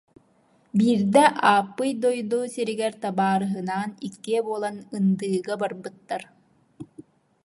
Биирдэ Ааппый дойду сиригэр табаарыһынаан иккиэ буолан ындыыга барбыттар